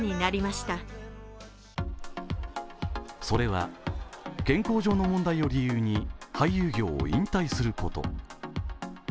それは、健康上の問題を理由に俳優業を引退すること。